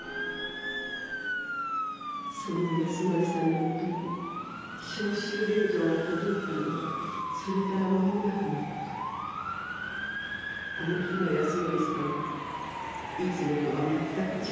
「そんな安典さんのもとに召集令状がとどいたのはそれからまもなくのことあの日の安典さんはいつもとはまったく違う眼をしていましたね。